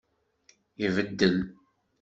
Ibeddel.